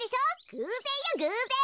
ぐうぜんよぐうぜん。